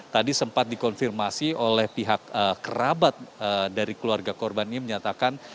tadi sempat dikonfirmasi oleh pihak kerabat dari keluarga korban ini menyatakan